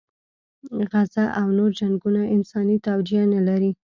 غزه او نور جنګونه انساني توجیه نه لري.